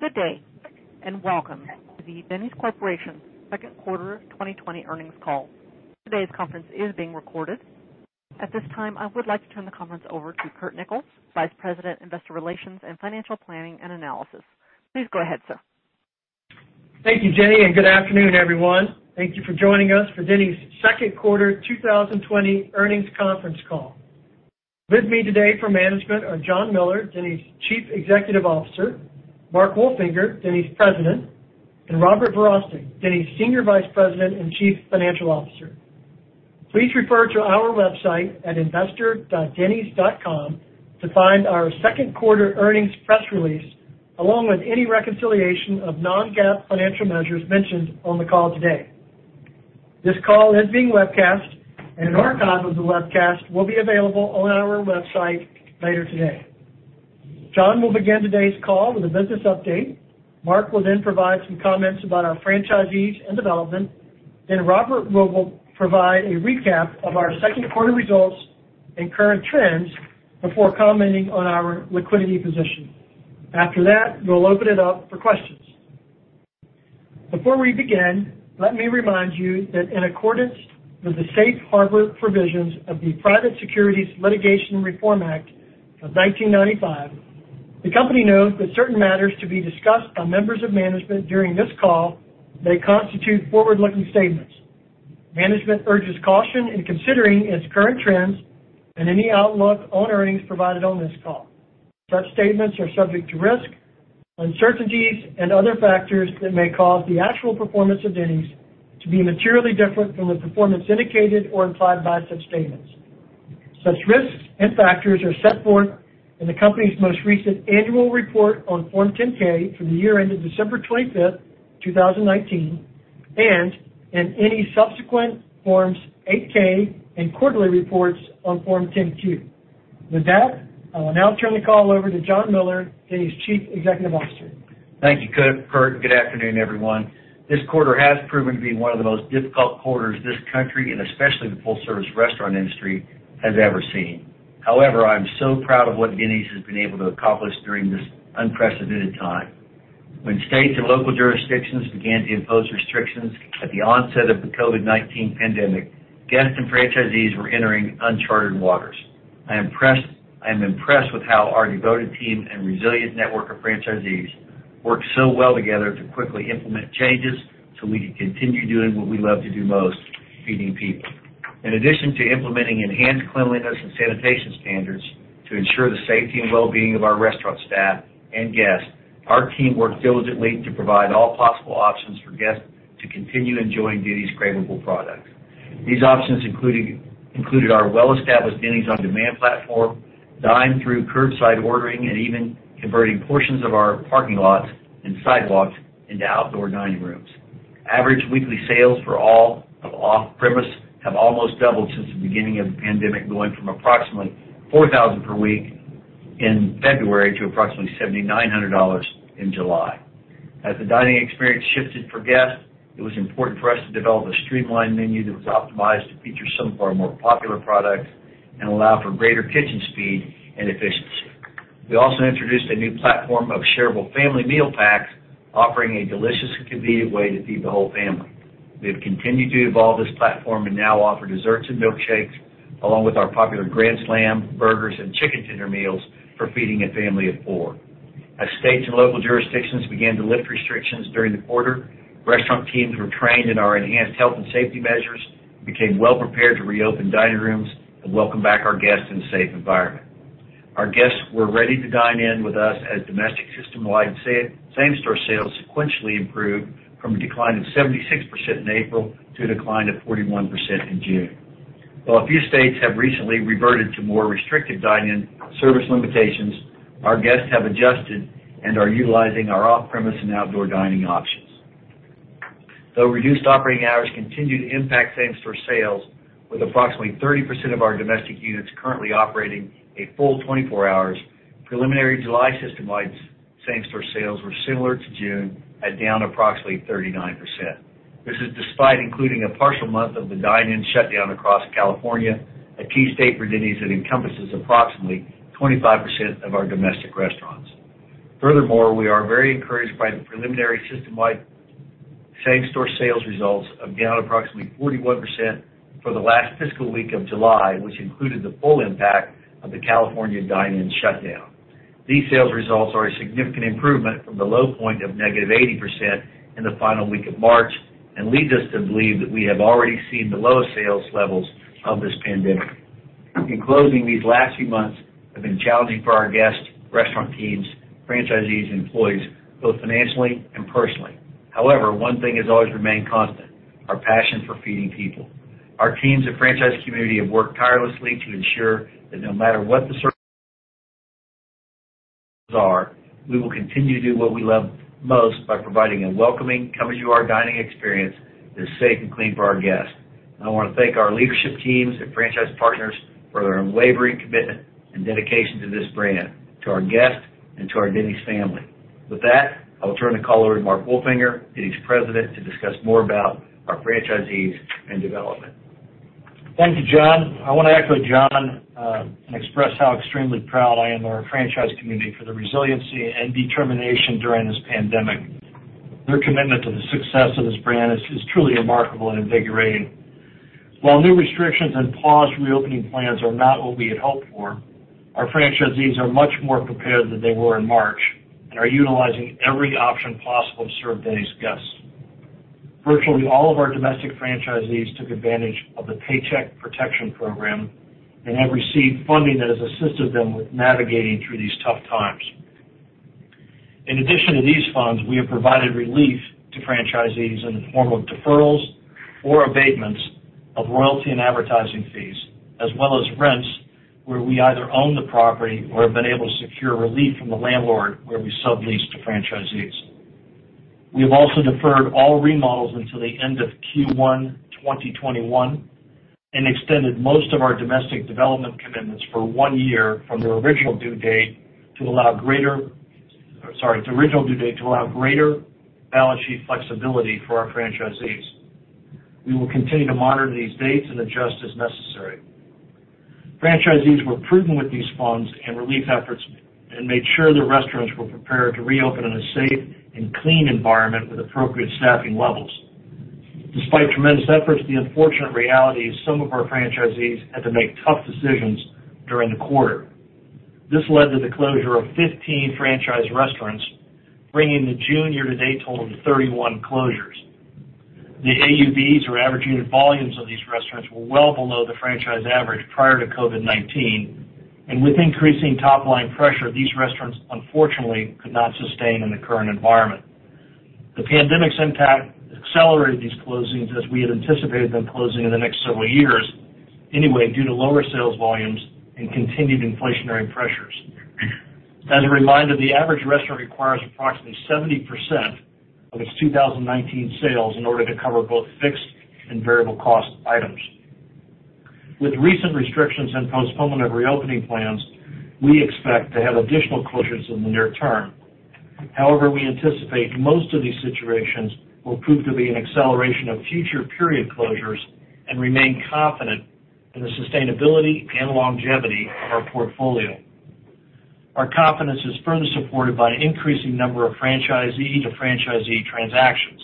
Good day, and welcome to the Denny's Corporation second quarter 2020 earnings call. Today's conference is being recorded. At this time, I would like to turn the conference over to Curt Nichols, Vice President, Investor Relations and Financial Planning & Analysis. Please go ahead, sir. Thank you, Jenny. Good afternoon, everyone. Thank you for joining us for Denny's second quarter 2020 earnings conference call. With me today for management are John Miller, Denny's Chief Executive Officer, Mark Wolfinger, Denny's President, and Robert Verostek, Denny's Senior Vice President and Chief Financial Officer. Please refer to our website at investor.dennys.com to find our second quarter earnings press release, along with any reconciliation of non-GAAP financial measures mentioned on the call today. This call is being webcast. An archive of the webcast will be available on our website later today. John will begin today's call with a business update. Mark will provide some comments about our franchisees and development. Robert will provide a recap of our second quarter results and current trends before commenting on our liquidity position. After that, we'll open it up for questions. Before we begin, let me remind you that in accordance with the safe harbor provisions of the Private Securities Litigation Reform Act of 1995, the company notes that certain matters to be discussed by members of management during this call may constitute forward-looking statements. Management urges caution in considering its current trends and any outlook on earnings provided on this call. Such statements are subject to risk, uncertainties, and other factors that may cause the actual performance of Denny's to be materially different from the performance indicated or implied by such statements. Such risks and factors are set forth in the company's most recent annual report on Form 10-K for the year ended December 25th, 2019, and in any subsequent Forms 8-K and quarterly reports on Form 10-Q. With that, I'll now turn the call over to John Miller, Denny's Chief Executive Officer. Thank you, Curt. Good afternoon, everyone. This quarter has proven to be one of the most difficult quarters this country, and especially the full-service restaurant industry, has ever seen. I am so proud of what Denny's has been able to accomplish during this unprecedented time. When states and local jurisdictions began to impose restrictions at the onset of the COVID-19 pandemic, guests and franchisees were entering uncharted waters. I am impressed with how our devoted team and resilient network of franchisees worked so well together to quickly implement changes so we could continue doing what we love to do most, feeding people. In addition to implementing enhanced cleanliness and sanitation standards to ensure the safety and wellbeing of our restaurant staff and guests, our team worked diligently to provide all possible options for guests to continue enjoying Denny's craveable products. These options included our well-established Denny's On Demand platform, dine through curbside ordering, and even converting portions of our parking lots and sidewalks into outdoor dining rooms. Average weekly sales for all of off-premise have almost doubled since the beginning of the pandemic, going from approximately $4,000 per week in February to approximately $7,900 in July. As the dining experience shifted for guests, it was important for us to develop a streamlined menu that was optimized to feature some of our more popular products and allow for greater kitchen speed and efficiency. We also introduced a new platform of shareable family meal packs, offering a delicious and convenient way to feed the whole family. We have continued to evolve this platform and now offer desserts and milkshakes, along with our popular Grand Slam, burgers, and chicken tender meals for feeding a family of four. As states and local jurisdictions began to lift restrictions during the quarter, restaurant teams were trained in our enhanced health and safety measures and became well prepared to reopen dining rooms and welcome back our guests in a safe environment. Our guests were ready to dine in with us as domestic systemwide same-store sales sequentially improved from a decline of 76% in April to a decline of 41% in June. While a few states have recently reverted to more restrictive dine-in service limitations, our guests have adjusted and are utilizing our off-premise and outdoor dining options. Though reduced operating hours continue to impact same-store sales, with approximately 30% of our domestic units currently operating a full 24 hours, preliminary July systemwide same-store sales were similar to June, at down approximately 39%. This is despite including a partial month of the dine-in shutdown across California, a key state for Denny's that encompasses approximately 25% of our domestic restaurants. We are very encouraged by the preliminary systemwide same-store sales results of down approximately 41% for the last fiscal week of July, which included the full impact of the California dine-in shutdown. These sales results are a significant improvement from the low point of -80% in the final week of March and leads us to believe that we have already seen the lowest sales levels of this pandemic. In closing, these last few months have been challenging for our guests, restaurant teams, franchisees, and employees, both financially and personally. One thing has always remained constant, our passion for feeding people. Our teams and franchise community have worked tirelessly to ensure that no matter what the circumstances are, we will continue to do what we love most by providing a welcoming, come-as-you-are dining experience that is safe and clean for our guests. I want to thank our leadership teams and franchise partners for their unwavering commitment and dedication to this brand, to our guests, and to our Denny's family. With that, I will turn the call over to Mark Wolfinger, Denny's President, to discuss more about our franchisees and development. Thank you, John. I want to echo John and express how extremely proud I am of our franchise community for their resiliency and determination during this pandemic. Their commitment to the success of this brand is truly remarkable and invigorating. While new restrictions and paused reopening plans are not what we had hoped for, our franchisees are much more prepared than they were in March and are utilizing every option possible to serve Denny's guests. Virtually all of our domestic franchisees took advantage of the Paycheck Protection Program and have received funding that has assisted them with navigating through these tough times. In addition to these funds, we have provided relief to franchisees in the form of deferrals or abatements of royalty and advertising fees, as well as rents where we either own the property or have been able to secure relief from the landlord where we sublease to franchisees. We have also deferred all remodels until the end of Q1 2021 and extended most of our domestic development commitments for one year from their original due date to allow greater balance sheet flexibility for our franchisees. We will continue to monitor these dates and adjust as necessary. Franchisees were prudent with these funds and relief efforts and made sure their restaurants were prepared to reopen in a safe and clean environment with appropriate staffing levels. Despite tremendous efforts, the unfortunate reality is some of our franchisees had to make tough decisions during the quarter. This led to the closure of 15 franchise restaurants, bringing the June year-to-date total to 31 closures. The AUVs, or average unit volumes, of these restaurants were well below the franchise average prior to COVID-19, and with increasing top-line pressure, these restaurants unfortunately could not sustain in the current environment. The pandemic's impact accelerated these closings, as we had anticipated them closing in the next several years anyway due to lower sales volumes and continued inflationary pressures. As a reminder, the average restaurant requires approximately 70% of its 2019 sales in order to cover both fixed and variable cost items. With recent restrictions and postponement of reopening plans, we expect to have additional closures in the near term. However, we anticipate most of these situations will prove to be an acceleration of future period closures and remain confident in the sustainability and longevity of our portfolio. Our confidence is further supported by an increasing number of franchisee-to-franchisee transactions.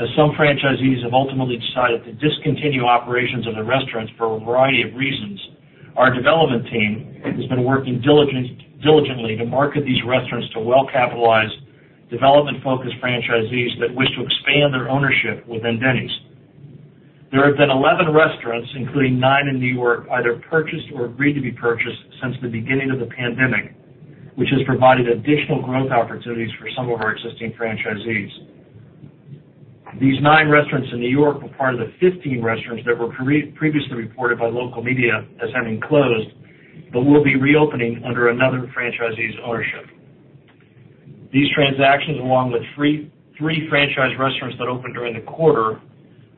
As some franchisees have ultimately decided to discontinue operations of their restaurants for a variety of reasons, our development team has been working diligently to market these restaurants to well-capitalized, development-focused franchisees that wish to expand their ownership within Denny's. There have been 11 restaurants, including nine in New York, either purchased or agreed to be purchased since the beginning of the pandemic, which has provided additional growth opportunities for some of our existing franchisees. These nine restaurants in New York were part of the 15 restaurants that were previously reported by local media as having closed but will be reopening under another franchisee's ownership. These transactions, along with three franchise restaurants that opened during the quarter,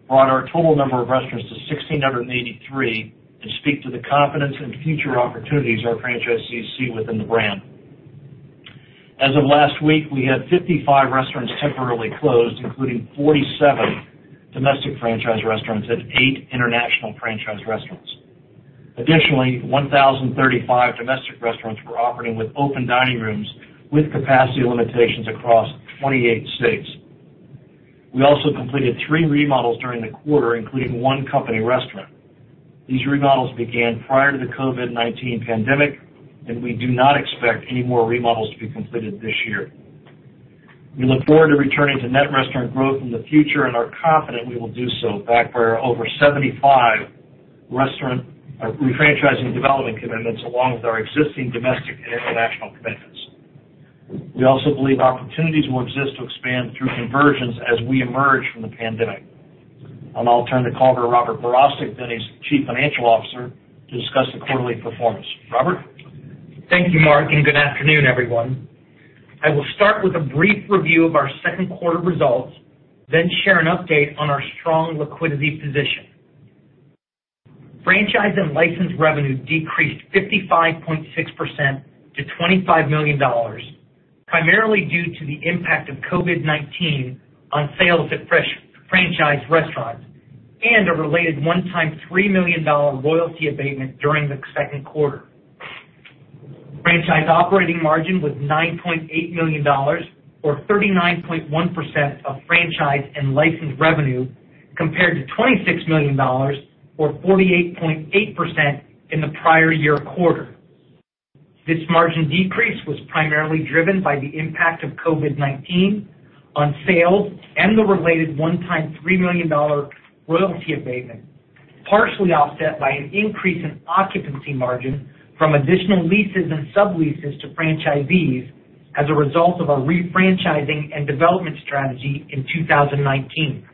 brought our total number of restaurants to 1,683 and speak to the confidence in future opportunities our franchisees see within the brand. As of last week, we had 55 restaurants temporarily closed, including 47 domestic franchise restaurants and eight international franchise restaurants. Additionally, 1,035 domestic restaurants were operating with open dining rooms with capacity limitations across 28 states. We also completed three remodels during the quarter, including one company restaurant. These remodels began prior to the COVID-19 pandemic, and we do not expect any more remodels to be completed this year. We look forward to returning to net restaurant growth in the future and are confident we will do so backed by our over 75 restaurant refranchising development commitments along with our existing domestic and international commitments. We also believe opportunities will exist to expand through conversions as we emerge from the pandemic. I'll now turn to Robert Verostek, Denny's Chief Financial Officer, to discuss the quarterly performance. Robert? Thank you, Mark. Good afternoon, everyone. I will start with a brief review of our second quarter results, then share an update on our strong liquidity position. Franchise and license revenue decreased 55.6% to $25 million, primarily due to the impact of COVID-19 on sales at franchise restaurants and a related one-time $3 million royalty abatement during the second quarter. Franchise operating margin was $9.8 million, or 39.1% of franchise and licensed revenue, compared to $26 million, or 48.8%, in the prior year quarter. This margin decrease was primarily driven by the impact of COVID-19 on sales and the related one-time $3 million royalty abatement, partially offset by an increase in occupancy margin from additional leases and subleases to franchisees as a result of our refranchising and development strategy in 2019.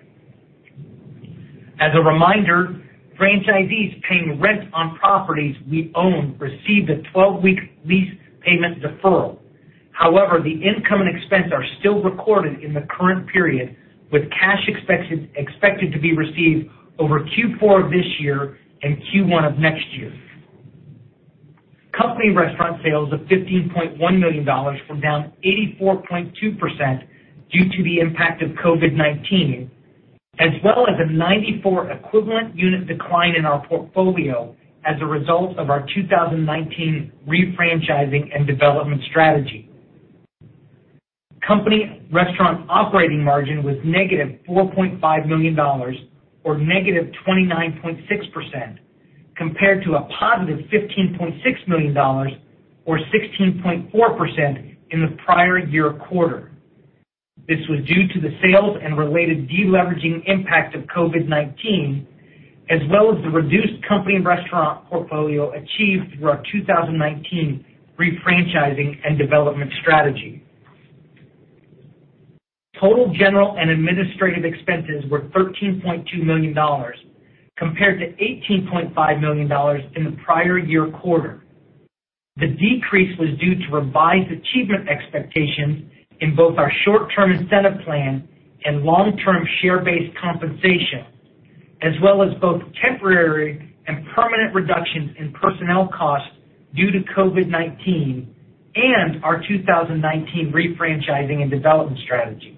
As a reminder, franchisees paying rent on properties we own received a 12-week lease payment deferral. However, the income and expense are still recorded in the current period with cash expected to be received over Q4 of this year and Q1 of next year. Company restaurant sales of $15.1 million were down 84.2% due to the impact of COVID-19, as well as a 94 equivalent unit decline in our portfolio as a result of our 2019 refranchising and development strategy. Company restaurant operating margin was -$4.5 million or -29.6%, compared to a positive $15.6 million or 16.4% in the prior year quarter. This was due to the sales and related deleveraging impact of COVID-19, as well as the reduced company restaurant portfolio achieved through our 2019 refranchising and development strategy. Total general and administrative expenses were $13.2 million compared to $18.5 million in the prior year quarter. The decrease was due to revised achievement expectations in both our short-term incentive plan and long-term share-based compensation, as well as both temporary and permanent reductions in personnel costs due to COVID-19 and our 2019 refranchising and development strategy.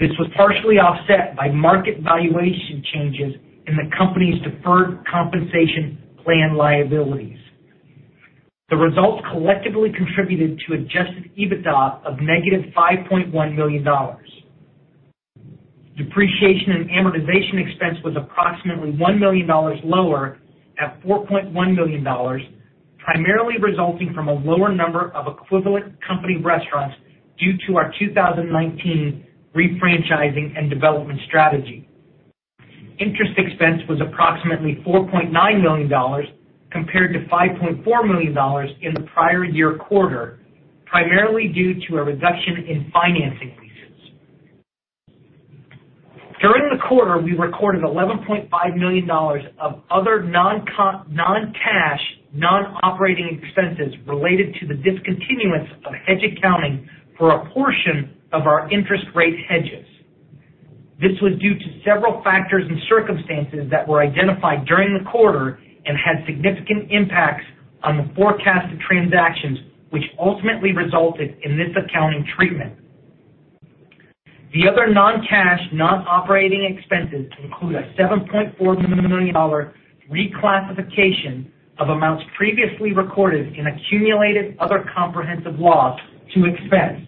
This was partially offset by market valuation changes in the company's deferred compensation plan liabilities. The results collectively contributed to adjusted EBITDA of -$5.1 million. Depreciation and amortization expense was approximately $1 million lower at $4.1 million, primarily resulting from a lower number of equivalent company restaurants due to our 2019 refranchising and development strategy. Interest expense was approximately $4.9 million compared to $5.4 million in the prior year quarter, primarily due to a reduction in financing leases. During the quarter, we recorded $11.5 million of other non-cash, non-operating expenses related to the discontinuance of hedge accounting for a portion of our interest rate hedges. This was due to several factors and circumstances that were identified during the quarter and had significant impacts on the forecasted transactions, which ultimately resulted in this accounting treatment. The other non-cash, non-operating expenses include a $7.4 million reclassification of amounts previously recorded in accumulated other comprehensive loss to expense,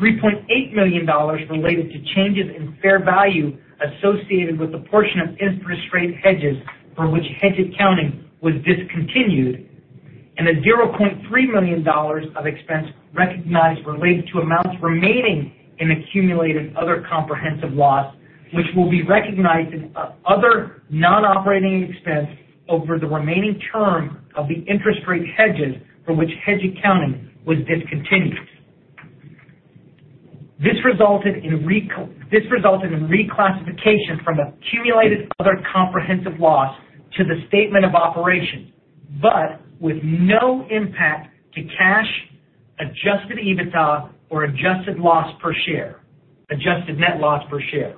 $3.8 million related to changes in fair value associated with the portion of interest rate hedges for which hedge accounting was discontinued, and a $0.3 million of expense recognized related to amounts remaining in accumulated other comprehensive loss, which will be recognized as other non-operating expense over the remaining term of the interest rate hedges for which hedge accounting was discontinued. This resulted in reclassification from accumulated other comprehensive loss to the statement of operations, but with no impact to cash, adjusted EBITDA, or adjusted net loss per share.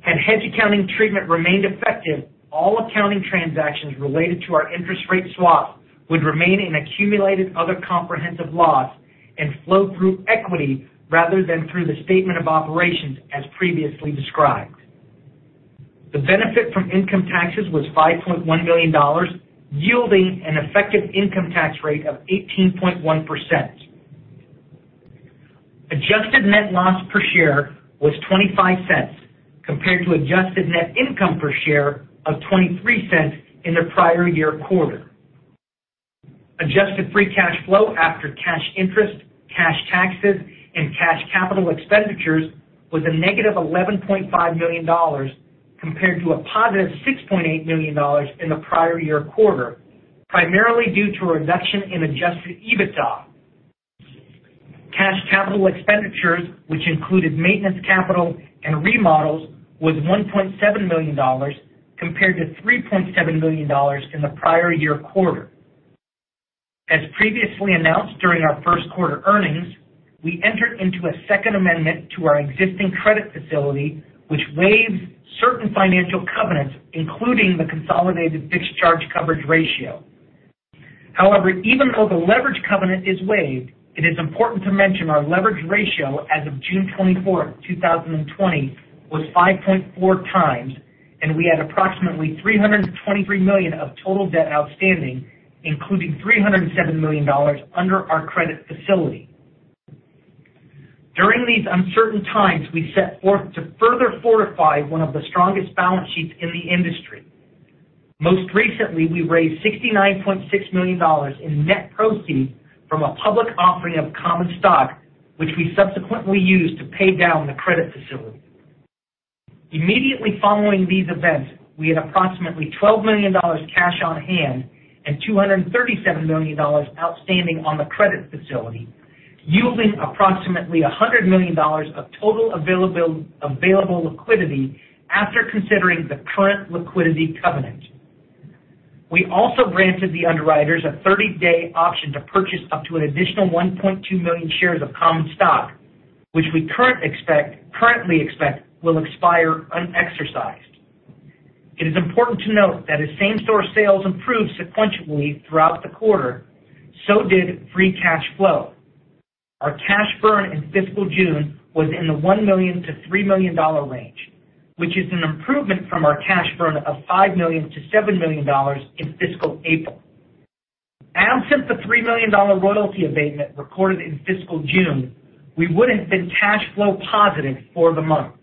Had hedge accounting treatment remained effective, all accounting transactions related to our interest rate swap would remain in accumulated other comprehensive loss and flow through equity rather than through the statement of operations as previously described. The benefit from income taxes was $5.1 million, yielding an effective income tax rate of 18.1%. Adjusted net loss per share was $0.25, compared to adjusted net income per share of $0.23 in the prior year quarter. Adjusted free cash flow after cash interest, cash taxes, and cash capital expenditures was a -$11.5 million, compared to a positive $6.8 million in the prior year quarter, primarily due to a reduction in adjusted EBITDA. Cash capital expenditures, which included maintenance capital and remodels, was $1.7 million compared to $3.7 million in the prior year quarter. As previously announced during our first quarter earnings, we entered into a second amendment to our existing credit facility, which waives certain financial covenants, including the consolidated fixed charge coverage ratio. Even though the leverage covenant is waived, it is important to mention our leverage ratio as of June 24th, 2020, was 5.4 times, and we had approximately $323 million of total debt outstanding, including $307 million under our credit facility. During these uncertain times, we set forth to further fortify one of the strongest balance sheets in the industry. Most recently, we raised $69.6 million in net proceeds from a public offering of common stock, which we subsequently used to pay down the credit facility. Immediately following these events, we had approximately $12 million cash on hand and $237 million outstanding on the credit facility, yielding approximately $100 million of total available liquidity after considering the current liquidity covenant. We also granted the underwriters a 30-day option to purchase up to an additional 1.2 million shares of common stock, which we currently expect will expire unexercised. It is important to note that as same-store sales improved sequentially throughout the quarter, so did free cash flow. Our cash burn in fiscal June was in the $1 million to $3 million range, which is an improvement from our cash burn of $5 million to $7 million in fiscal April. Absent the $3 million royalty abatement recorded in fiscal June, we would've been cash flow positive for the month.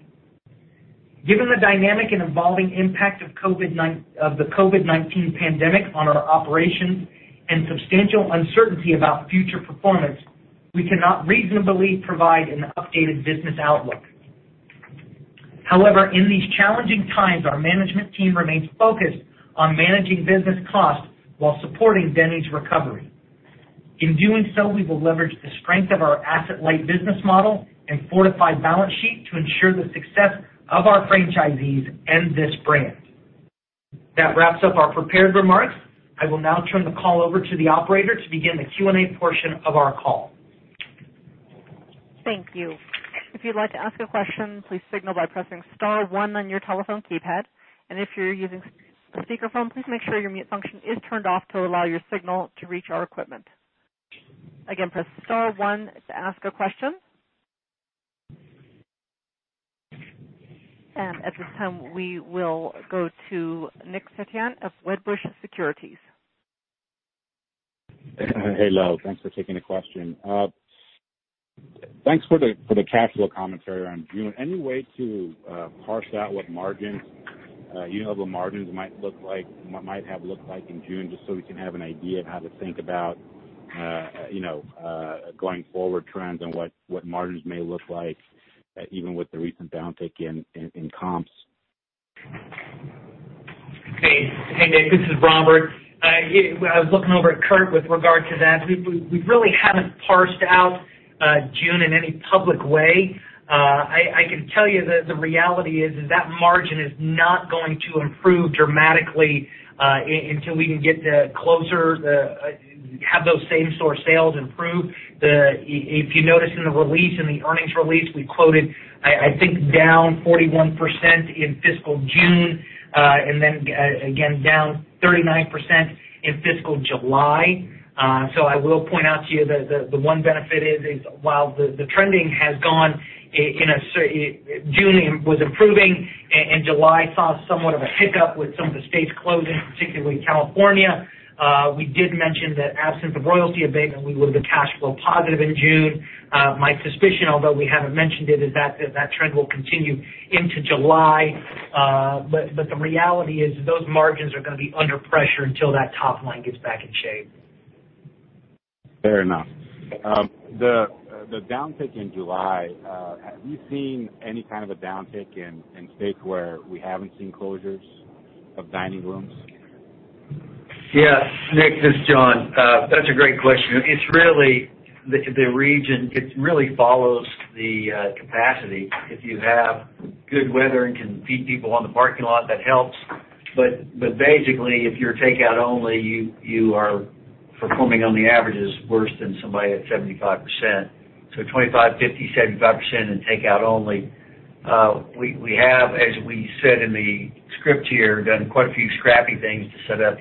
Given the dynamic and evolving impact of the COVID-19 pandemic on our operations and substantial uncertainty about future performance, we cannot reasonably provide an updated business outlook. However, in these challenging times, our management team remains focused on managing business costs while supporting Denny's recovery. In doing so, we will leverage the strength of our asset-light business model and fortified balance sheet to ensure the success of our franchisees and this brand. That wraps up our prepared remarks. I will now turn the call over to the operator to begin the Q&A portion of our call. Thank you. If you'd like to ask a question, please signal by pressing star one on your telephone keypad. If you're using a speakerphone, please make sure your mute function is turned off to allow your signal to reach our equipment. Again, press star one to ask a question. At this time, we will go to Nick Setyan of Wedbush Securities. Hello. Thanks for taking the question. Thanks for the cash flow commentary on June. Any way to parse out what the margins might have looked like in June, just so we can have an idea of how to think about going forward trends and what margins may look like, even with the recent downtick in comps? Hey, Nick. This is Robert. I was looking over at Curt with regard to that. We really haven't parsed out June in any public way. I can tell you that the reality is that margin is not going to improve dramatically until we can have those same-store sales improve. If you notice in the earnings release, we quoted, I think, down 41% in fiscal June. Then again, down 39% in fiscal July. I will point out to you that the one benefit is while the trending has gone in a certain June was improving, and July saw somewhat of a hiccup with some of the states closing, particularly California. We did mention that absent the royalty abatement, we would have been cash flow positive in June. My suspicion, although we haven't mentioned it, is that trend will continue into July. The reality is that those margins are going to be under pressure until that top line gets back in shape. Fair enough. The downtick in July, have you seen any kind of a downtick in states where we haven't seen closures of dining rooms? Yes. Nick, this is John. That's a great question. The region, it really follows the capacity. If you have good weather and can feed people on the parking lot, that helps. Basically, if you're takeout only, you are performing on the averages worse than somebody at 75%. 25%, 50%, 75% in take out only. We have, as we said in the script here, done quite a few scrappy things to set up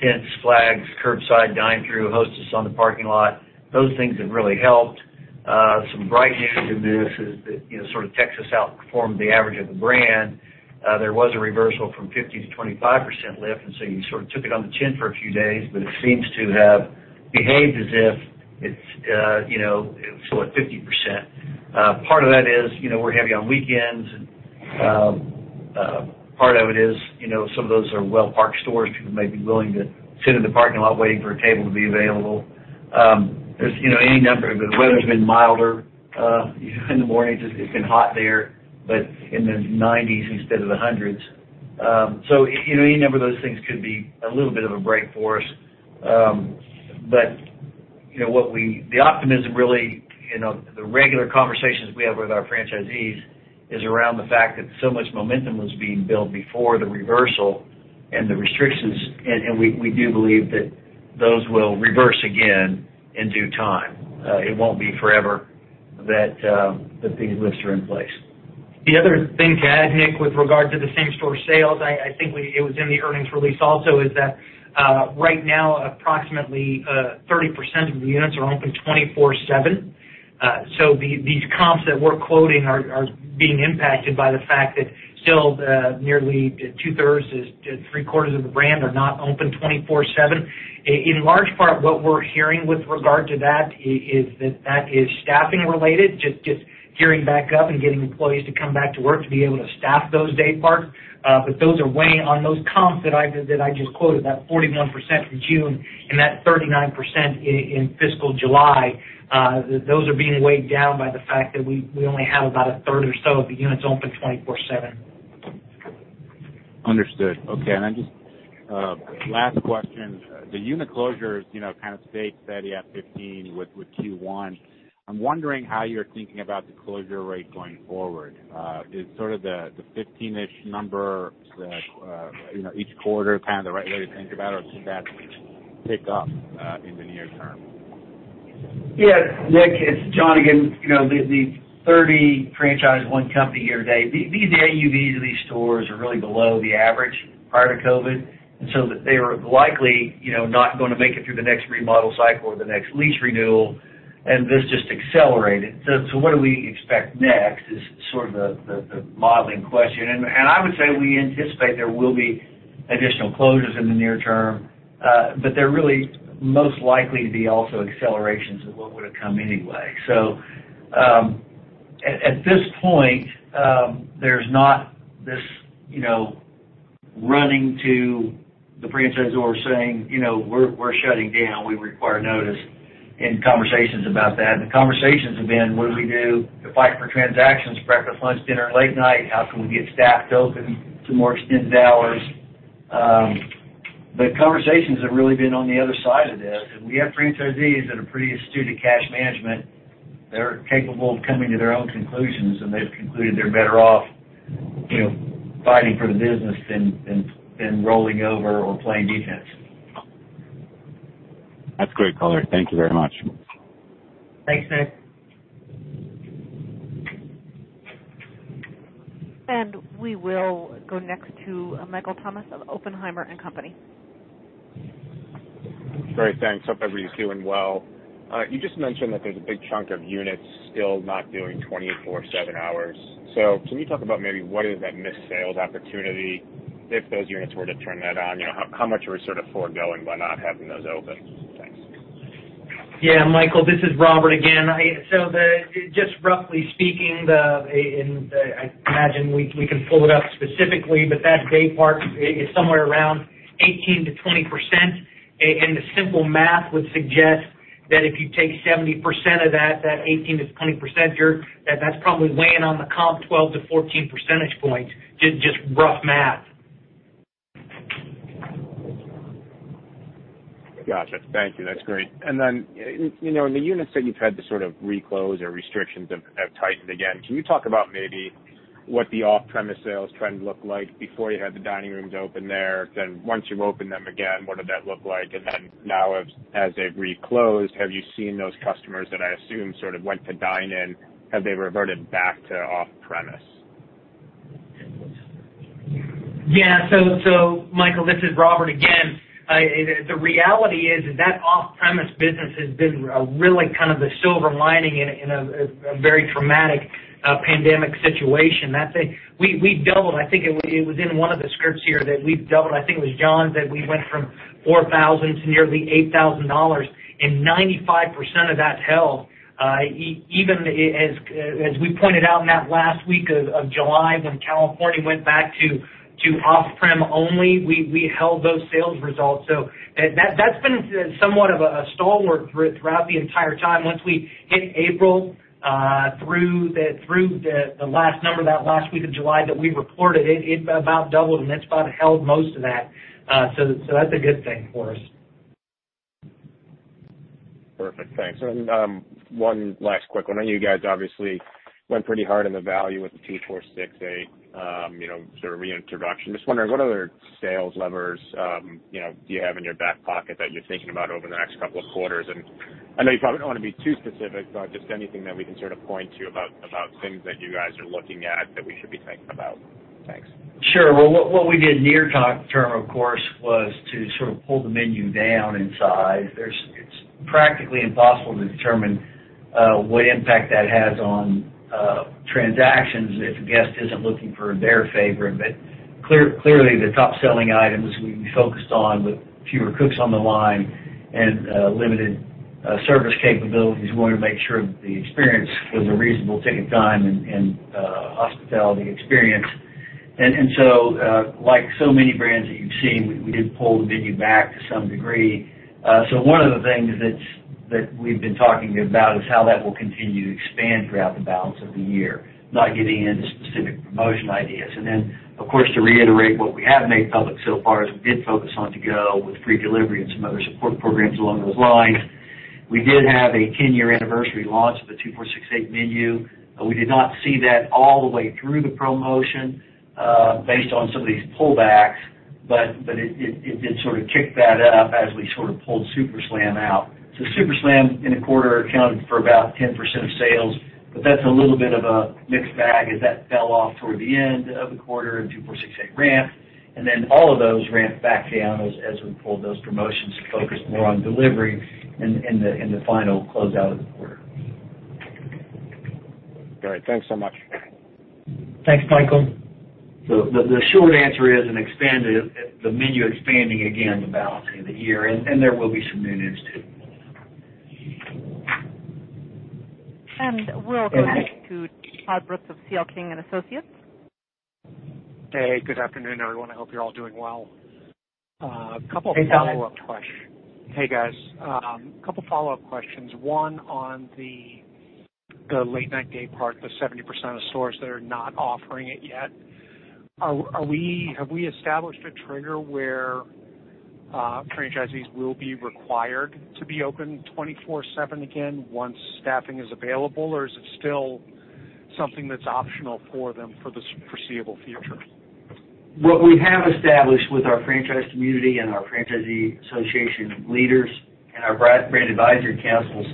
tents, flags, curbside dine-through, hostess on the parking lot. Those things have really helped. Some bright news in this is that Texas outperformed the average of the brand. There was a reversal from 50% to 25% lift, you sort of took it on the chin for a few days, but it seems to have behaved as if it's still at 50%. Part of that is we're heavy on weekends, and part of it is some of those are well-parked stores. People may be willing to sit in the parking lot waiting for a table to be available. The weather's been milder in the mornings. It's been hot there, but in the 90s instead of the 100s. Any number of those things could be a little bit of a break for us. The optimism, really, the regular conversations we have with our franchisees is around the fact that so much momentum was being built before the reversal and the restrictions, and we do believe that those will reverse again in due time. It won't be forever that these lifts are in place. The other thing to add, Nick, with regard to the same-store sales, I think it was in the earnings release also, is that right now approximately 30% of the units are open 24/7. These comps that we're quoting are being impacted by the fact that still nearly two-thirds to three-quarters of the brand are not open 24/7. In large part, what we're hearing with regard to that is that is staffing related, just gearing back up and getting employees to come back to work to be able to staff those dayparts. Those are weighing on those comps that I just quoted, that 41% in June and that 39% in fiscal July. Those are being weighed down by the fact that we only have about a third or so of the units open 24/7. Understood. Okay, just last question. The unit closures kind of stayed steady at 15 with Q1. I'm wondering how you're thinking about the closure rate going forward. Is sort of the 15-ish number each quarter kind of the right way to think about, or pick up in the near term? Nick, it's John again. The 30 franchise, one company here today, the AUVs of these stores are really below the average prior to COVID-19. So they were likely not going to make it through the next remodel cycle or the next lease renewal, and this just accelerated. What do we expect next is the modeling question. I would say we anticipate there will be additional closures in the near term, but they're really most likely to be also accelerations of what would've come anyway. At this point, there's not this running to the franchisor saying, "We're shutting down. We require notice," and conversations about that. The conversations have been, what do we do to fight for transactions, breakfast, lunch, dinner, late night? How can we get staffed open to more extended hours? The conversations have really been on the other side of this, and we have franchisees that are pretty astute at cash management. They're capable of coming to their own conclusions, and they've concluded they're better off fighting for the business than rolling over or playing defense. That's great, color. Thank you very much. Thanks, Nick. We will go next to Michael Tamas of Oppenheimer & Co. Inc. Great. Thanks. Hope everybody's doing well. You just mentioned that there's a big chunk of units still not doing 24/7 hours. Can you talk about maybe what is that missed sales opportunity if those units were to turn that on? How much are we foregoing by not having those open? Thanks. Yeah, Michael, this is Robert again. Just roughly speaking, and I imagine we can pull it up specifically, but that day part is somewhere around 18%-20%. The simple math would suggest that if you take 70% of that 18%-20% here, that's probably weighing on the comp 12-14 percentage points. Just rough math. Gotcha. Thank you. That's great. In the units that you've had to re-close or restrictions have tightened again, can you talk about maybe what the off-premise sales trend looked like before you had the dining rooms open there? Once you opened them again, what did that look like? Now as they've reclosed, have you seen those customers that I assume went to dine in, have they reverted back to off-premise? Michael, this is Robert again. The reality is that off-premise business has been really the silver lining in a very traumatic pandemic situation. We doubled, I think it was in one of the scripts here that we've doubled, I think it was John's, that we went from $4,000 to nearly $8,000, and 95% of that held, even as we pointed out in that last week of July when California went back to off-prem only, we held those sales results. That's been somewhat of a stalwart throughout the entire time. Once we hit April, through the last number, that last week of July that we reported, it about doubled, and that's about held most of that. That's a good thing for us. Perfect. Thanks. One last quick one. I know you guys obviously went pretty hard on the value with the 2-4-6-8 reintroduction. Just wondering, what other sales levers do you have in your back pocket that you're thinking about over the next couple of quarters? I know you probably don't want to be too specific, but just anything that we can point to about things that you guys are looking at that we should be thinking about. Thanks. Sure. Well, what we did near term, of course, was to pull the menu down in size. It's practically impossible to determine what impact that has on transactions if a guest isn't looking for their favorite. Clearly, the top-selling items we focused on with fewer cooks on the line and limited service capabilities, we wanted to make sure that the experience was a reasonable ticket time and hospitality experience. Like so many brands that you've seen, we did pull the menu back to some degree. One of the things that we've been talking about is how that will continue to expand throughout the balance of the year, not getting into specific promotion ideas. Of course, to reiterate what we have made public so far, is we did focus on to-go with free delivery and some other support programs along those lines. We did have a 10-year anniversary launch of the 2468 Menu. We did not see that all the way through the promotion based on some of these pullbacks, but it did kick that up as we pulled Super Slam out. Super Slam in a quarter accounted for about 10% of sales, but that's a little bit of a mixed bag as that fell off toward the end of the quarter, and 2468 ramped. Then all of those ramped back down as we pulled those promotions to focus more on delivery in the final closeout of the quarter. All right. Thanks so much. Thanks, Michael. The short answer is the menu expanding again the balance of the year, and there will be some new news too. We'll connect to Todd Brooks of C.L. King & Associates. Hey, good afternoon, everyone. I hope you're all doing well. A couple follow-up quest-. Hey, Todd. Hey, guys. A couple follow-up questions. One on the late night day part, the 70% of stores that are not offering it yet. Have we established a trigger where franchisees will be required to be open 24/7 again once staffing is available, or is it still something that's optional for them for the foreseeable future? What we have established with our franchise community and our franchisee association leaders and our brand advisory councils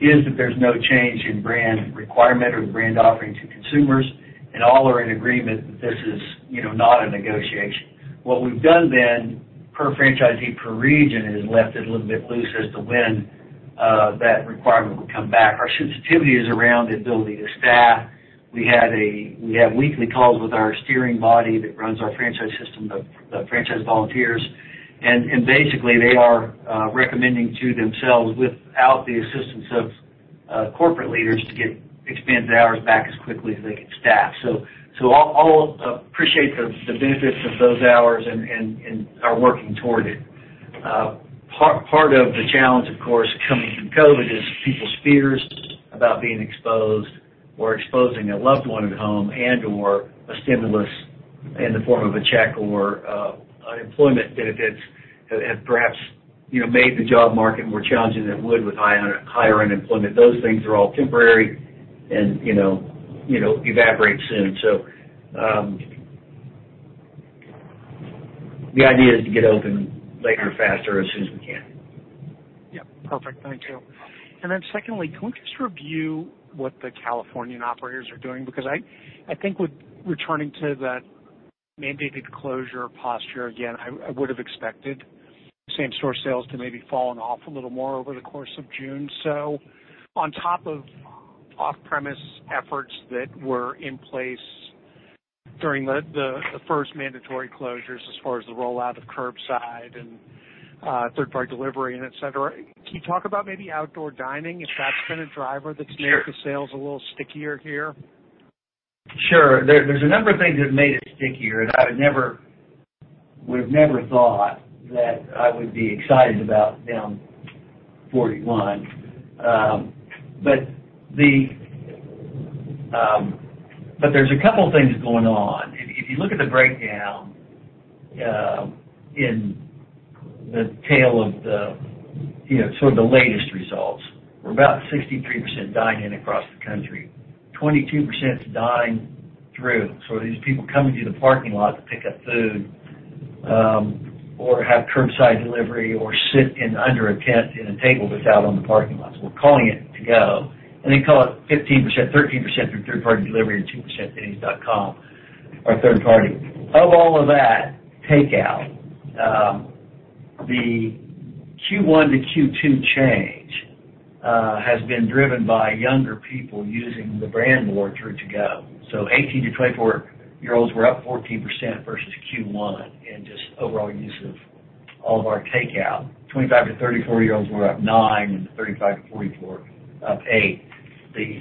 is that there's no change in brand requirement or brand offering to consumers, and all are in agreement that this is not a negotiation. What we've done then, per franchisee per region, is left it a little bit loose as to when that requirement will come back. Our sensitivity is around ability to staff. We have weekly calls with our steering body that runs our franchise system, the franchise volunteers. Basically, they are recommending to themselves, without the assistance of corporate leaders, to get expanded hours back as quickly as they can staff. All appreciate the benefits of those hours and are working toward it. Part of the challenge, of course, coming from COVID is people's fears about being exposed or exposing a loved one at home and/or a stimulus in the form of a check or unemployment benefits have perhaps made the job market more challenging than it would with higher unemployment. Those things are all temporary and evaporate soon. The idea is to get open later, faster, as soon as we can. Yeah, perfect. Thank you. Then secondly, can we just review what the California operators are doing? Because I think with returning to that mandated closure posture again, I would've expected same-store sales to maybe fallen off a little more over the course of June. On top of off-premise efforts that were in place during the first mandatory closures as far as the rollout of curbside and third-party delivery and et cetera, can you talk about maybe outdoor dining, if that's been a driver that's made the sales a little stickier here? Sure. There's a number of things that have made it stickier, and I would've never thought that I would be excited about down 41. There's a couple things going on. If you look at the breakdown in the tail of the latest results, we're about 63% dine-in across the country, 22% is dine thru. These are people coming to the parking lot to pick up food or have curbside delivery or sit under a tent in a table that's out on the parking lot. We're calling it to go. Call it 13% through third-party delivery and 2% dennys.com, our third party. Of all of that takeout, the Q1 to Q2 change has been driven by younger people using the brand more through to-go. 18 to 24-year-olds were up 14% versus Q1 in just overall use of all of our takeout. 25 to 34-year-olds were up nine, and 35 to 44, up eight.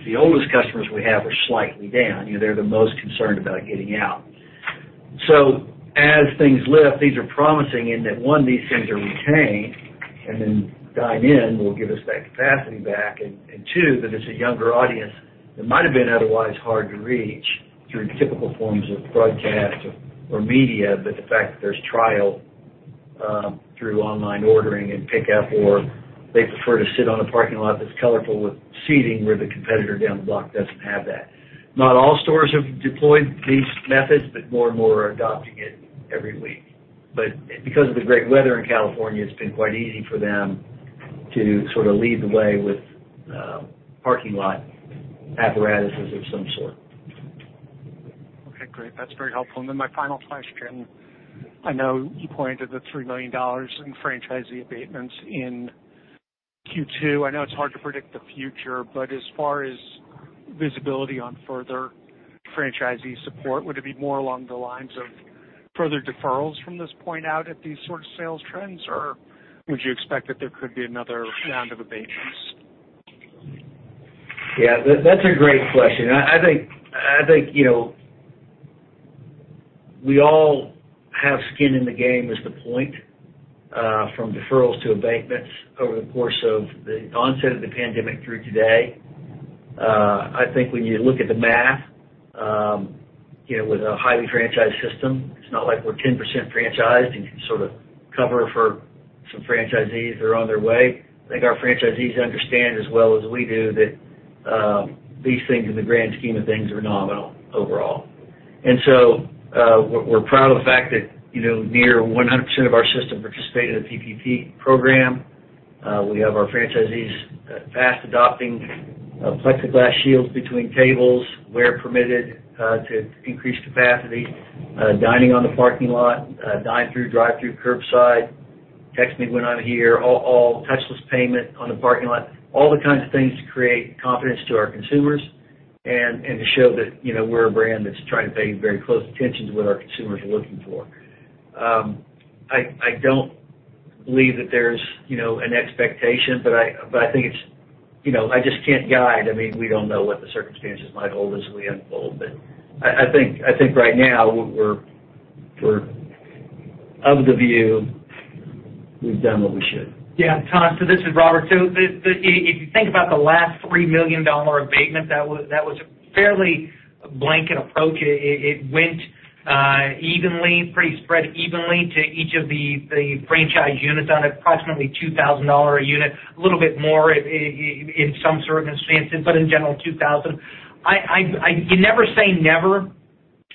The oldest customers we have are slightly down. They're the most concerned about getting out. As things lift, these are promising in that, one, these things are retained, and then dine-in will give us that capacity back. Two, that it's a younger audience that might've been otherwise hard to reach through typical forms of broadcast or media, but the fact that there's trial through online ordering and pickup, or they prefer to sit on a parking lot that's colorful with seating where the competitor down the block doesn't have that. Not all stores have deployed these methods, but more and more are adopting it every week. Because of the great weather in California, it's been quite easy for them to lead the way with parking lot apparatuses of some sort. Okay, great. That's very helpful. My final question. I know you pointed the $3 million in franchisee abatements in Q2. I know it's hard to predict the future, as far as visibility on further franchisee support, would it be more along the lines of further deferrals from this point out at these sort of sales trends, or would you expect that there could be another round of abatements? Yeah, that's a great question. I think we all have skin in the game is the point, from deferrals to abatements over the course of the onset of the pandemic through today. I think when you look at the math, with a highly franchised system, it's not like we're 10% franchised and can sort of cover for some franchisees that are on their way. I think our franchisees understand as well as we do that these things in the grand scheme of things are nominal overall. We're proud of the fact that near 100% of our system participated in the PPP program. We have our franchisees fast adopting plexiglass shields between tables where permitted to increase capacity, dining on the parking lot, dine thru, drive thru, curbside, text me when I'm here, all touchless payment on the parking lot, all the kinds of things to create confidence to our consumers and to show that we're a brand that's trying to pay very close attention to what our consumers are looking for. I don't believe that there's an expectation, but I just can't guide. We don't know what the circumstances might hold as we unfold, but I think right now, we're of the view we've done what we should. Yeah, Todd, this is Robert. If you think about the last $3 million abatement, that was fairly a blanket approach. It went evenly, pretty spread evenly to each of the franchise units on approximately $2,000 a unit, a little bit more in some circumstances, but in general, $2,000. You never say never,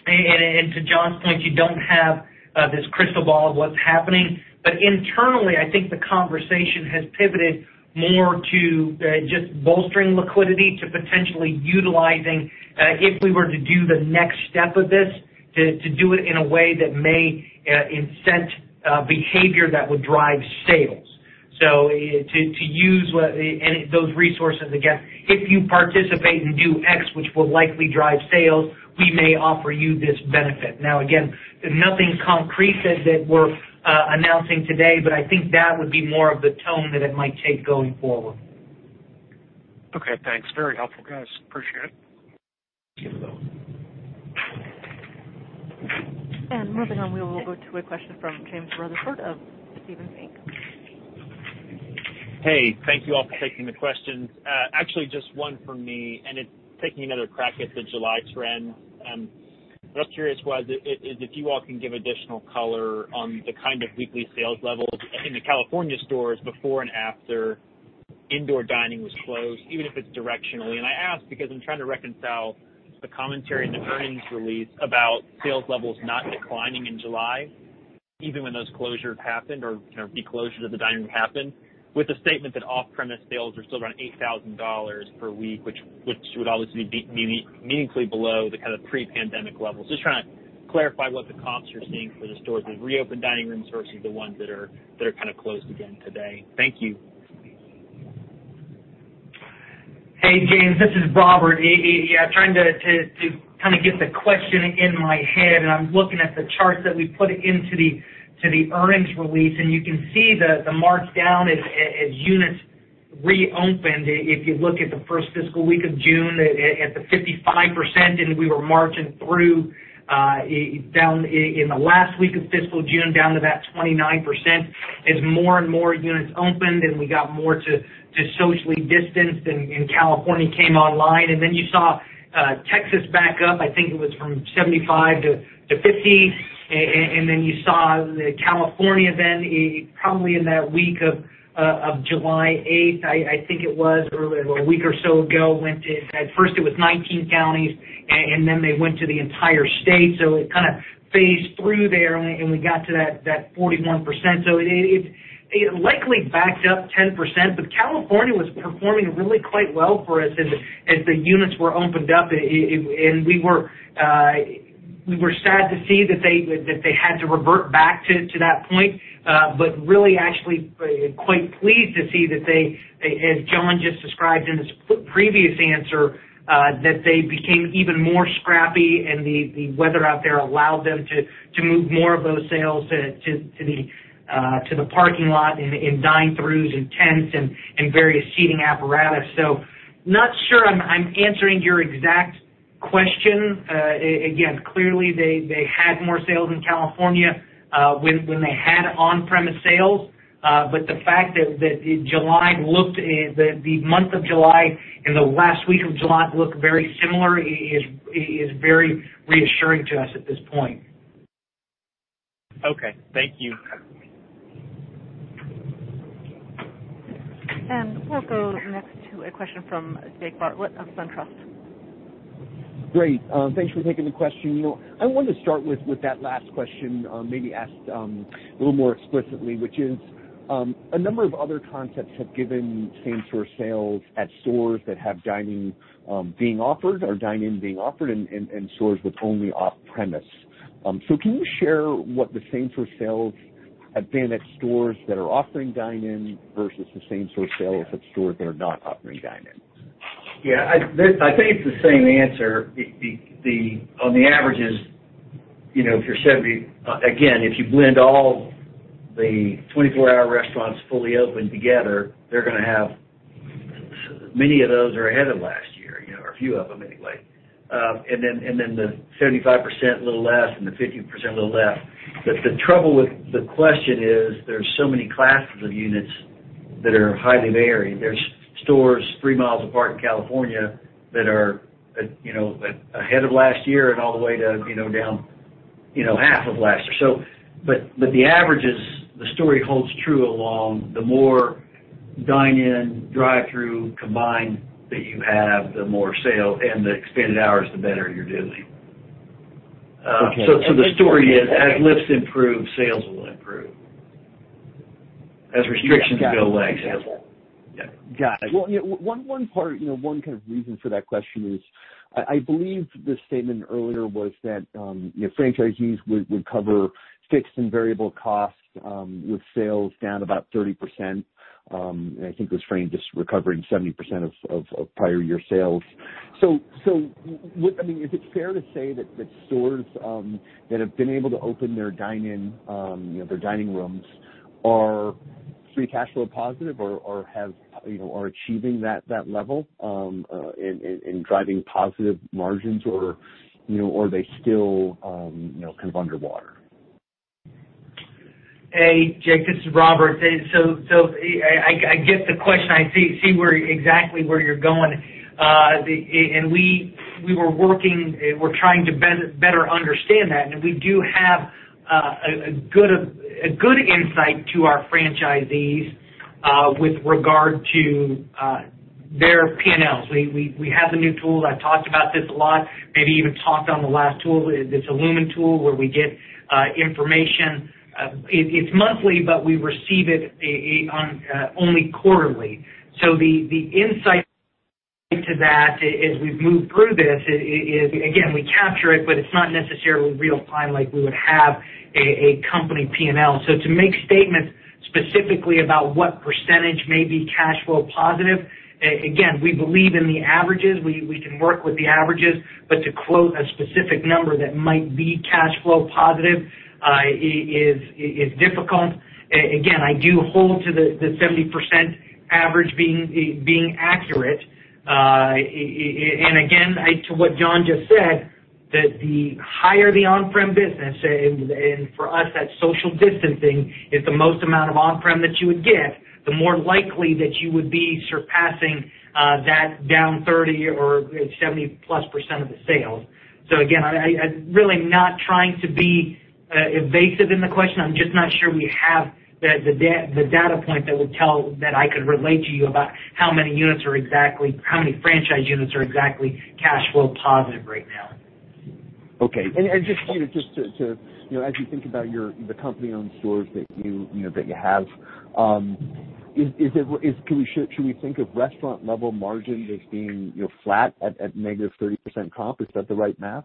and to John's point, you don't have this crystal ball of what's happening. Internally, I think the conversation has pivoted more to just bolstering liquidity, to potentially utilizing, if we were to do the next step of this, to do it in a way that may incent behavior that would drive sales. To use those resources, again, if you participate and do X, which will likely drive sales, we may offer you this benefit. Again, nothing concrete that we're announcing today, but I think that would be more of the tone that it might take going forward. Okay, thanks. Very helpful, guys. Appreciate it. Thank you. Moving on, we will go to a question from James Rutherford of Stephens Inc. Hey, thank you all for taking the questions. Actually, just one from me, and it's taking another crack at the July trend. What I was curious was if you all can give additional color on the kind of weekly sales levels in the California stores before and after indoor dining was closed, even if it's directionally. I ask because I'm trying to reconcile the commentary in the earnings release about sales levels not declining in July, even when those closures happened, or declosure of the dining room happened, with the statement that off-premise sales are still around $8,000 per week, which would obviously be meaningfully below the pre-pandemic levels. Just trying to clarify what the comps you're seeing for the stores with reopened dining rooms versus the ones that are closed again today. Thank you. Hey, James. This is Robert. Yeah, trying to get the question in my head. I'm looking at the charts that we put into the earnings release. You can see the markdown as units reopened. If you look at the first fiscal week of June at 55%, we were marching through down in the last week of fiscal June down to 29% as more and more units opened and we got more to socially distanced. California came online. You saw Texas back up, I think it was from 75% to 50%. You saw California then, probably in that week of July 8th, I think it was, or a week or so ago. At first it was 19 counties. Then they went to the entire state. It kind of phased through there. We got to 41%. It likely backed up 10%, but California was performing really quite well for us as the units were opened up. We were sad to see that they had to revert back to that point. Really, actually quite pleased to see that they, as John just described in his previous answer, that they became even more scrappy, and the weather out there allowed them to move more of those sales to the parking lot, in dine-throughs, in tents, and various seating apparatus. Not sure I'm answering your exact question. Again, clearly, they had more sales in California when they had on-premise sales. The fact that the month of July and the last week of July look very similar is very reassuring to us at this point. Okay. Thank you. We'll go next to a question from Jake Bartlett of SunTrust. Great. Thanks for taking the question. I wanted to start with that last question, maybe asked a little more explicitly, which is, a number of other concepts have given same-store sales at stores that have dining being offered or dine-in being offered, and stores with only off-premise. Can you share what the same-store sales have been at stores that are offering dine-in versus the same-store sales at stores that are not offering dine-in? Yeah, I think it's the same answer. On the averages, again, if you blend all the 24-hour restaurants fully open together, many of those are ahead of last year, or a few of them anyway. Then the 75%, a little less, and the 50%, a little less. The trouble with the question is there's so many classes of units that are highly varied. There's stores three miles apart in California that are ahead of last year and all the way to down half of last year. The averages, the story holds true along the more dine-in, drive-through combined that you have, the more sale, and the expanded hours, the better you're doing. Okay. The story is as lifts improve, sales will improve, as restrictions go away. Got it. One kind of reason for that question is, I believe the statement earlier was that franchisees would cover fixed and variable costs with sales down about 30%. I think it was framed as recovering 70% of prior year sales. Is it fair to say that stores that have been able to open their dine-in, their dining rooms, are free cash flow positive or are achieving that level in driving positive margins? Or are they still kind of underwater? Hey, Jake, this is Robert. I get the question. I see exactly where you're going. We were working, we're trying to better understand that, and we do have a good insight to our franchisees with regard to their P&Ls. We have the new tools. I've talked about this a lot, maybe even talked on the last tool, this iLumen tool, where we get information. It's monthly, but we receive it only quarterly. The insight to that as we've moved through this is, again, we capture it, but it's not necessarily real-time like we would have a company P&L. To make statements specifically about what % may be cash flow positive, again, we believe in the averages. We can work with the averages, but to quote a specific number that might be cash flow positive is difficult. Again, I do hold to the 70% average being accurate. Again, to what John just said, that the higher the on-prem business, and for us, that social distancing is the most amount of on-prem that you would get, the more likely that you would be surpassing that down 30% or 70%-plus of the sales. Again, I'm really not trying to be evasive in the question. I'm just not sure we have the data point that I could relate to you about how many franchise units are exactly cash flow positive right now. Okay. Just as you think about the company-owned stores that you have, should we think of restaurant level margins as being flat at -30% comp? Is that the right math?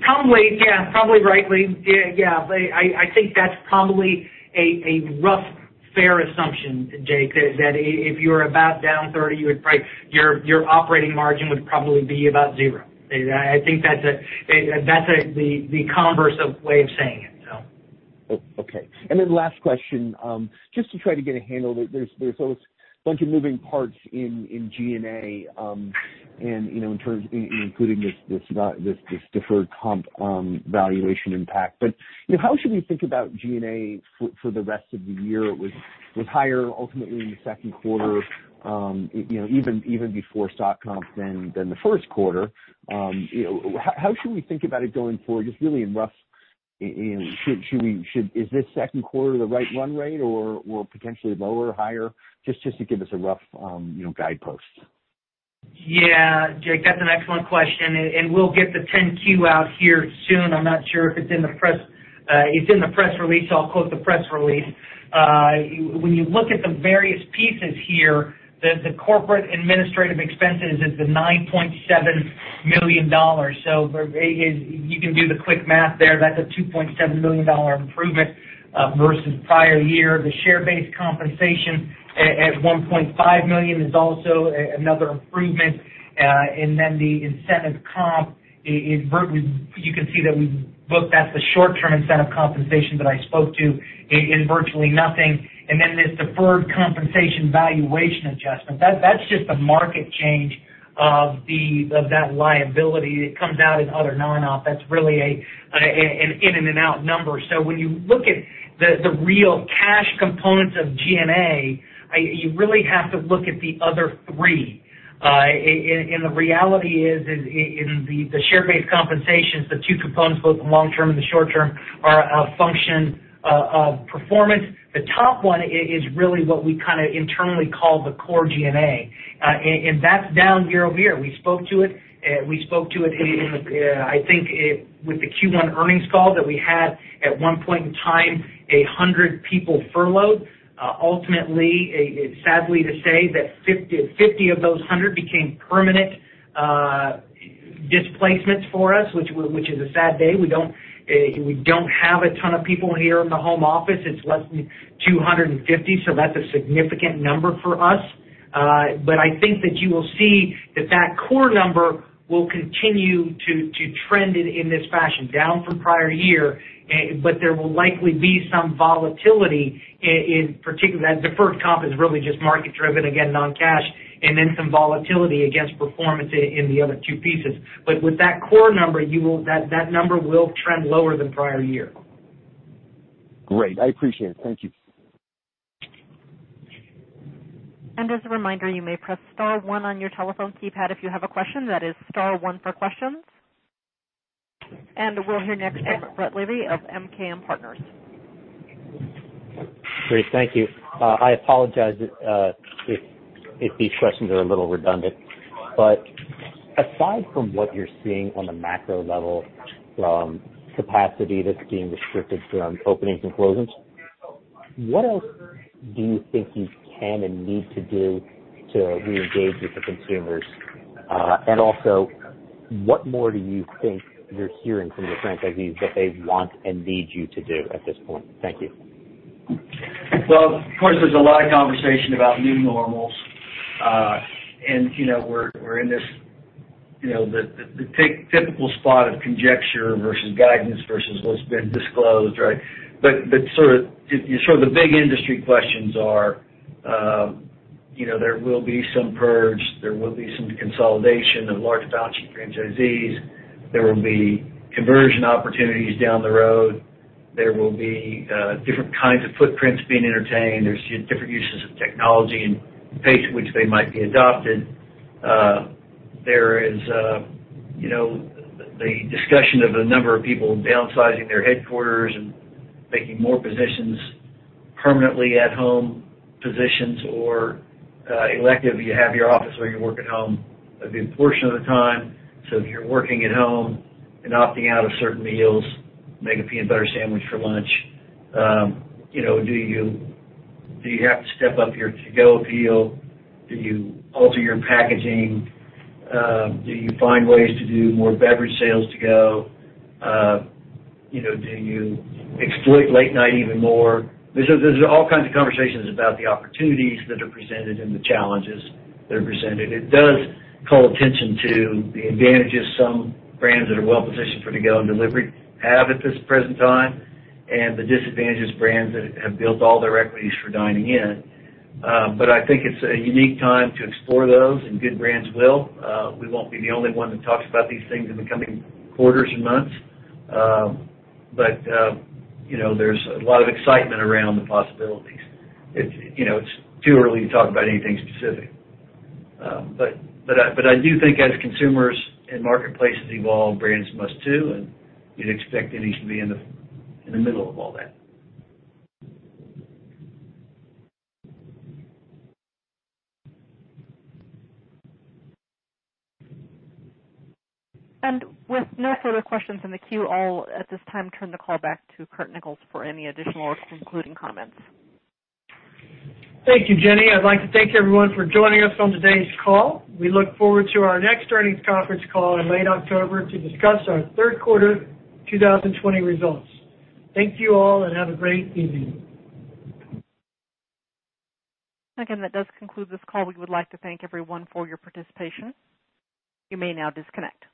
Probably, yeah. Probably rightly. Yeah. I think that's probably a rough, fair assumption, Jake, that if you're about down 30%, your operating margin would probably be about zero. I think that's the converse way of saying it. Okay. Last question, just to try to get a handle. There is always a bunch of moving parts in G&A, including this deferred comp valuation impact. How should we think about G&A for the rest of the year? It was higher ultimately in the second quarter, even before stock comp than the first quarter. How should we think about it going forward, just really in rough, is this second quarter the right run rate or potentially lower or higher? Just to give us a rough guidepost. Yeah. Jake, that's an excellent question. We'll get the 10-Q out here soon. I'm not sure if it's in the press release. I'll quote the press release. When you look at the various pieces here, the corporate administrative expenses is the $9.7 million. You can do the quick math there. That's a $2.7 million improvement versus prior year. The share-based compensation at $1.5 million is also another improvement. The incentive comp, you can see that we booked, that's the short-term incentive compensation that I spoke to in virtually nothing. This deferred compensation valuation adjustment. That's just a market change of that liability that comes out in other non-op. That's really an in and an out number. When you look at the real cash components of G&A, you really have to look at the other three. The reality is in the share-based compensations, the two components, both the long term and the short term, are a function of performance. The top one is really what we internally call the core G&A. That's down year-over-year. We spoke to it, I think, with the Q1 earnings call that we had at one point in time 100 people furloughed. Ultimately, sadly to say that 50 of those 100 became permanent displacements for us, which is a sad day. We don't have a ton of people here in the home office. It's less than 250, so that's a significant number for us. I think that you will see that core number will continue to trend in this fashion, down from prior year, but there will likely be some volatility in particular. That deferred comp is really just market driven, again, non-cash, and then some volatility against performance in the other two pieces. With that core number, that number will trend lower than prior year. Great. I appreciate it. Thank you. As a reminder, you may press star one on your telephone keypad if you have a question. That is star one for questions. We'll hear next from Brett Levy of MKM Partners. Great. Thank you. I apologize if these questions are a little redundant. Aside from what you're seeing on the macro level from capacity that's being restricted from openings and closings, what else do you think you can and need to do to reengage with the consumers? Also, what more do you think you're hearing from your franchisees that they want and need you to do at this point? Thank you. Well, of course, there's a lot of conversation about new normals. We're in this typical spot of conjecture versus guidance versus what's been disclosed, right? The big industry questions are There will be some purge, there will be some consolidation of large-balance franchisees. There will be conversion opportunities down the road. There will be different kinds of footprints being entertained. There's different uses of technology and the pace at which they might be adopted. There is the discussion of a number of people downsizing their headquarters and making more positions permanently at-home positions or elective, you have your office or you work at home a good portion of the time. If you're working at home and opting out of certain meals, make a peanut butter sandwich for lunch. Do you have to step up your to-go appeal? Do you alter your packaging? Do you find ways to do more beverage sales to go? Do you exploit late night even more? There's all kinds of conversations about the opportunities that are presented and the challenges that are presented. It does call attention to the advantages some brands that are well-positioned for to-go and delivery have at this present time, and the disadvantages brands that have built all their equities for dining in. I think it's a unique time to explore those, and good brands will. We won't be the only one that talks about these things in the coming quarters and months. There's a lot of excitement around the possibilities. It's too early to talk about anything specific. I do think as consumers and marketplaces evolve, brands must too, and you'd expect Denny's to be in the middle of all that. With no further questions in the queue, I'll at this time turn the call back to Curt Nichols for any additional or concluding comments. Thank you, Jenny. I'd like to thank everyone for joining us on today's call. We look forward to our next earnings conference call in late October to discuss our third quarter 2020 results. Thank you all and have a great evening. Again, that does conclude this call. We would like to thank everyone for your participation. You may now disconnect.